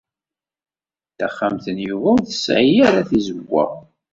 Taxxamt n Yuba ur tesɛi ara tizewwa.